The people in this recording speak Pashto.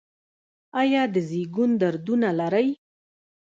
ایا د زیږون دردونه لرئ؟